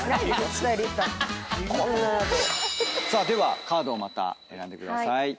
ではカードをまた選んでください。